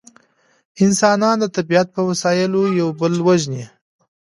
انسانان د طبیعت په وسایلو یو بل وژني